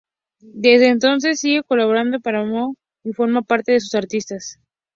Desde entonces sigue colaborando para Motown y forma parte de sus artistas.